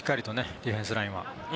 ディフェンスラインは。